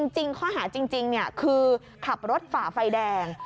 จริงข้อหาจริงคือขับรถฝ่าไฟแดง